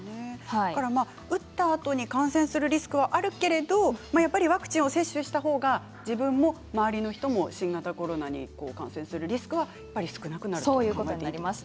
打ったあとに感染するリスクはあるけれどワクチンを接種したほうが自分も周りの人も新型コロナに感染するリスクは少なくなるということですね。